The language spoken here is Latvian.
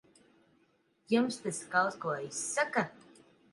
Jums tas kaut ko izsaka?